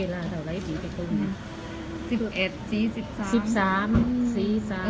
ไม่เคยเห็นเลยที่เสียหายก็คือสามันกี่ทับจะพีดวันสี่วันสิบ